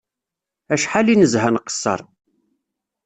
Acḥal i nezha nqeṣṣer